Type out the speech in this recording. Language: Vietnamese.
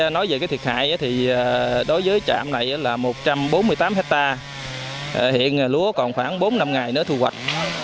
nói về cái thiệt hại thì đối với trạm này là một trăm bốn mươi tám hectare hiện lúa còn khoảng bốn năm ngày nữa thu hoạch